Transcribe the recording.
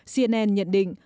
cnn nhận định